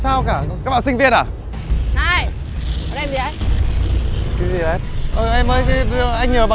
có vẻ như có sinh viên hoàn toàn đứng ngoài cuộc